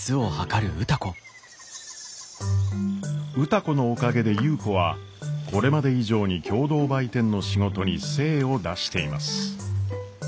歌子のおかげで優子はこれまで以上に共同売店の仕事に精を出しています。